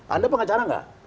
anda pengacara tidak